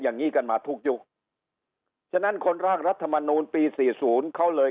อย่างนี้กันมาทุกยุคฉะนั้นคนร่างรัฐมนุนปี๔๐เขาเลย